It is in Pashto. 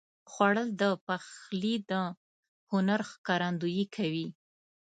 خوړل د پخلي د هنر ښکارندویي کوي